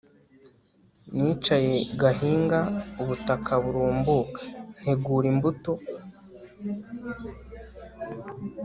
nicaye ngahinga ubutaka burumbuka, ntegura imbuto